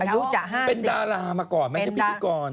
อายุจะ๕เป็นดารามาก่อนไม่ใช่พิธีกร